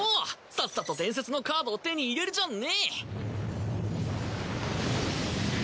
さっさと伝説のカードを手に入れるじゃんね！